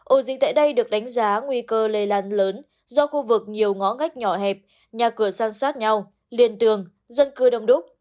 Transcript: ổ dịch tại đây được đánh giá nguy cơ lây lan lớn do khu vực nhiều ngõ ngách nhỏ hẹp nhà cửa san sát nhau liền tường dân cư đông đúc